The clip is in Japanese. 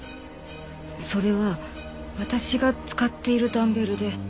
それは私が使っているダンベルで。